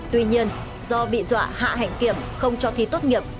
tuy nhiên do bị dọa hạ hành kiểm không cho thi tốt nghiệp